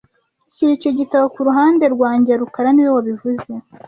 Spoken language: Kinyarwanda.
Shyira icyo gitabo ku ruhande rwanjye rukara niwe wabivuze